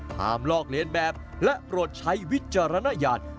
ลอกเลียนแบบและโปรดใช้วิจารณญาณ